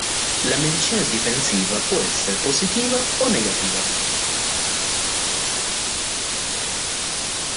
La medicina difensiva può essere positiva o negativa.